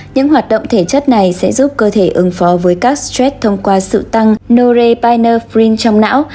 những hoạt động thể chất này sẽ giúp cơ thể ứng phó với các stress thông qua sự tăng norepinephrine trong não